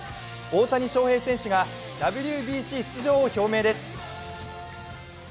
大谷翔平選手がＷＢＣ出場を表明です